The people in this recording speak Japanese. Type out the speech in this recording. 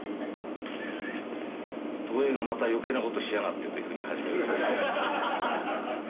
東映がまた余計なことしやがってというふうに初めは。